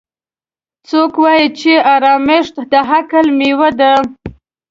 څوک وایي چې ارامښت د عقل میوه ده